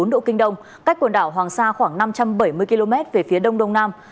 một trăm một mươi bảy bốn độ kinh đông cách quần đảo hoàng sa khoảng năm trăm bảy mươi km về phía đông đông nam